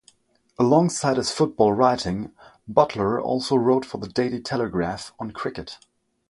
Alongside his football writing, Butler also wrote for the "Daily Telegraph" on cricket.